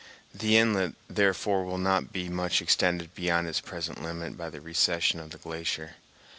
The inlet, therefore, will not be much extended beyond its present limit by the recession of the glacier.